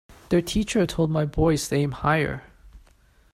Their teacher told my boys to aim higher.